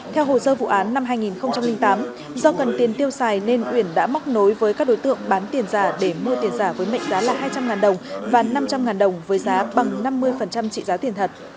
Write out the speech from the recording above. theo hồ sơ vụ án năm hai nghìn tám do cần tiền tiêu xài nên uyển đã móc nối với các đối tượng bán tiền giả để mua tiền giả với mệnh giá là hai trăm linh đồng và năm trăm linh đồng với giá bằng năm mươi trị giá tiền thật